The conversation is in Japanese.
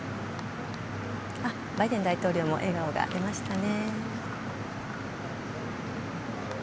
バイデン大統領も笑顔が出ましたね。